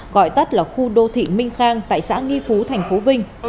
gọi tắt là khu đô thị minh khang tại xã nghi phú thành phố vinh